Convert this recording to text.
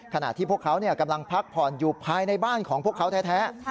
ขณะที่พวกเขากำลังพักผ่อนอยู่ภายในบ้านของพวกเขาแท้